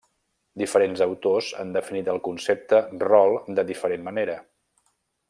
Diferents autors han definit el concepte rol de diferent manera.